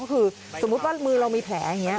ก็คือสมมุติว่ามือเรามีแผลอย่างนี้